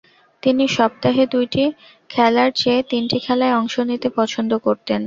তিনি সপ্তাহে দুইটি খেলার চেয়ে তিনটি খেলায় অংশ নিতে পছন্দ করতেন।